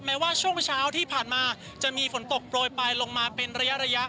แม้ว่าช่วงเช้าที่ผ่านมาจะมีฝนตกโปรยปลายลงมาเป็นระยะ